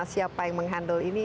siapa yang menghandle ini